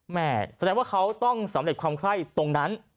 แสดงว่าเขาต้องสำเร็จความไข้ตรงนั้น